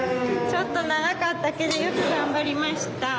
ちょっと長かったけどよく頑張りました。